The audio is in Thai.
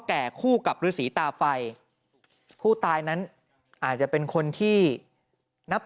หลังจากพบศพผู้หญิงปริศนาตายตรงนี้ครับ